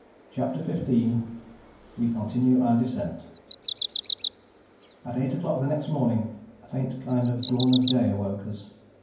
CHAPTER 15 WE CONTINUE OUR DESCENT At eight o'clock the next morning, a faint kind of dawn of day awoke us.